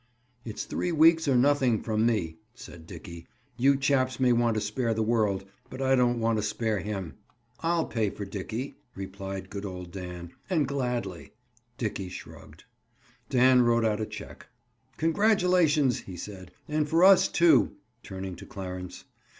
"It's three weeks or nothing from me," said Dickie. "You chaps may want to spare the world, but I don't want to spare him." "I'll pay for Dickie," replied good old Dan. "And gladly!" Dickie shrugged. Dan wrote out a check. "Congratulations!" he said. "And for us, too!" Turning to Clarence.